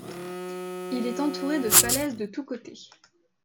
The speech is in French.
Il est entouré de falaises de tous côtés.